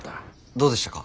どうでしたか？